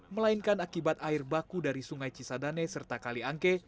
melainkan akibat air baku dari sungai cisadane serta kaliangke